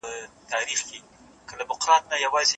تاریخ ښودلې، چې ژبې نه سپکې کېږي؛ خلک سپکېږي.